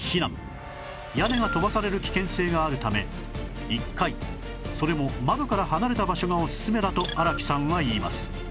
屋根が飛ばされる危険性があるため１階それも窓から離れた場所がおすすめだと荒木さんは言います